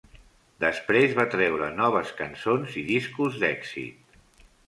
Després va treure noves cançons i discos d'èxit.